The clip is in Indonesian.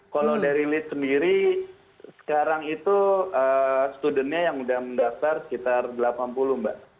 kalau dari lead sendiri sekarang itu studentnya yang sudah mendaftar sekitar delapan puluh mbak